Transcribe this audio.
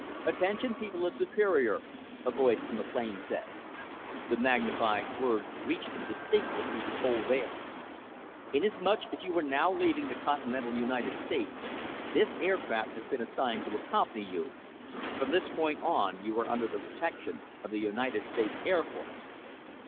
"Attention people of Superior," a voice from the plane said. The magnified words reached them distinctly through the cold air. "Inasmuch as you are now leaving the continental United States, this aircraft has been assigned to accompany you. From this point on you are under the protection of the United States Air Force."